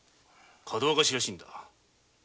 かどわかしらしいんだ。